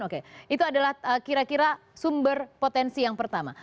oke itu adalah kira kira sumber potensi yang pertama